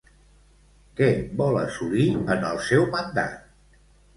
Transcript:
Què vol assolir en el seu mandat?